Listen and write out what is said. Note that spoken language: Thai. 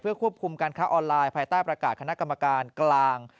ควบคุมการค้าออนไลน์ภายใต้ประกาศคณะกรรมการกลาง